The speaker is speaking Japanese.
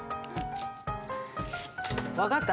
分かった？